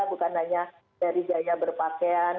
bukan hanya dari gaya berpakaian